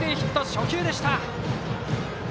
初球でした。